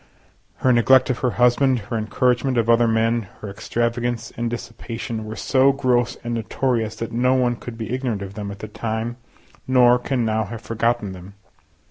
Her neglect of her husband, her encouragement of other men, her extravagance and dissipation, were so gross and notorious that no one could be ignorant of them at the time, nor can now have forgotten them.